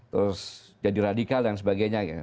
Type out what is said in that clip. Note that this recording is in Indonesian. terus jadi radikal dan sebagainya